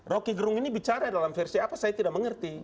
roky gerung ini bicara dalam versi apa saya tidak mengerti